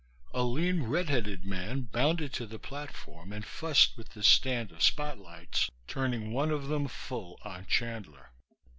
A lean, red headed man bounded to the platform and fussed with the stand of spotlights, turning one of them full on Chandler.